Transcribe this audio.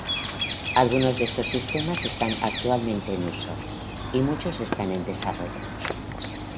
Algunos de estos sistemas están actualmente en uso, y muchos están en desarrollo.